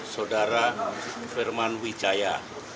saudara firman wijaya